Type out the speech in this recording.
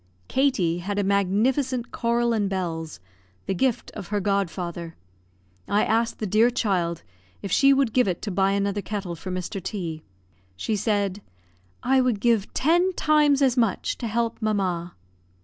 Katie had a magnificent coral and bells, the gift of her godfather; I asked the dear child if she would give it to buy another kettle for Mr. T . She said, "I would give ten times as much to help mamma."